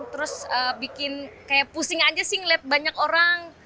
terus bikin kayak pusing aja sih ngeliat banyak orang